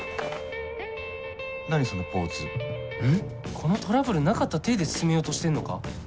このトラブルなかった体で進めようとしてんのか？